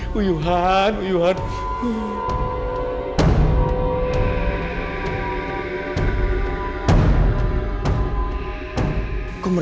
kaya ada yang mendekat